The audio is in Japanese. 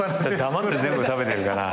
黙って全部食べてるから。